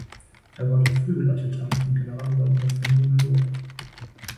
Er war dort Flügeladjutant von Generalleutnant von Hohenlohe.